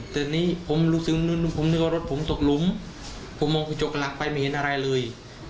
แต่นี่ผมรู้สึกผมนึกว่ารถผมตกหลุมผมมองกระจกหลังไปไม่เห็นอะไรเลย